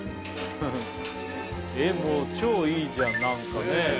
もう超いいじゃんなんかね。